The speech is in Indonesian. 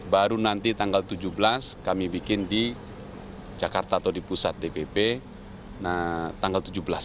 baru nanti tanggal tujuh belas kami bikin di jakarta atau di pusat dpp tanggal tujuh belas